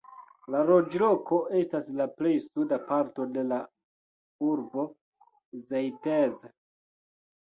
La loĝloko estas la plej suda parto de la urbo Zeitz.